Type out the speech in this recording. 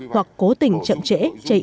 hoặc cố tình chậm trễ